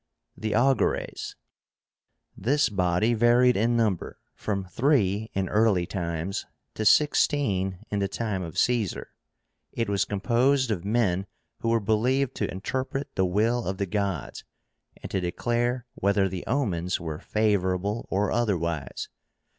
THE AUGURES. This body varied in number, from three, in early times, to sixteen in the time of Caesar. It was composed of men who were believed to interpret the will of the gods, and to declare whether the omens were favorable or otherwise.